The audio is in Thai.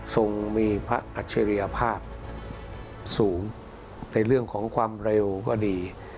ทรงมีพระอัจฉริยภาพสูงในเรื่องของความเร็วก็ดี